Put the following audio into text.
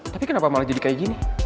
tapi kenapa malah jadi kayak gini